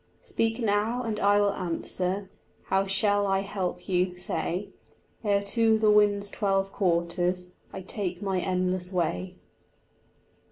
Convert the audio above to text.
Speak now, and I will answer; How shall I help you, say; Ere to the wind's twelve quarters I take my endless way.